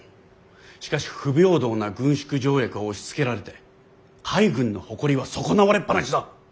しかし不平等な軍縮条約を押しつけられて海軍の誇りは損なわれっ放しだ。